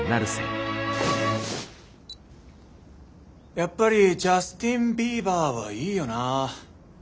やっぱりジャスティン・ビーバーはいいよな。